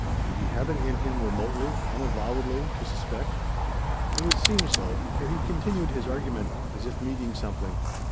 Did he have it in him remotely, unavowedly, to suspect? It would seem so, for he continued his argument, as if meeting something.